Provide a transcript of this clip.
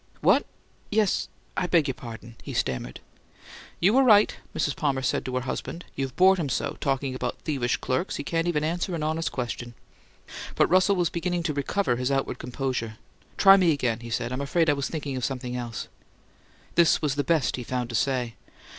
"What? Yes I beg your pardon!" he stammered. "You were right," Mrs. Palmer said to her husband. "You've bored him so, talking about thievish clerks, he can't even answer an honest question." But Russell was beginning to recover his outward composure. "Try me again," he said. "I'm afraid I was thinking of something else." This was the best he found to say.